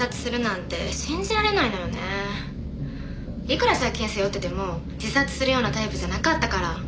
いくら借金背負ってても自殺するようなタイプじゃなかったから。